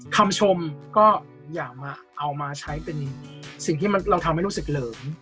คำชมก็อย่ามาเอามาใช้เป็นสิ่งที่เราทำให้รู้สึกเหลิม